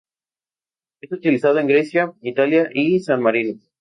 Es utilizado en Grecia, Italia y San Marino.